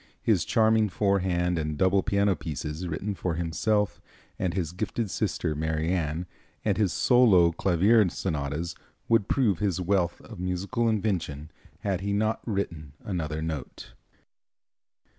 His charming four hand and double piano pieces, written for himself and his gifted sister Marianne, and his solo clavier sonatas would prove his wealth of musical invention had he not written another note.